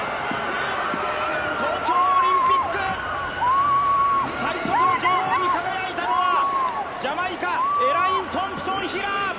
東京オリンピック、最速の女王に輝いたのはジャマイカ、エレイン・トンプソン・ヒラ。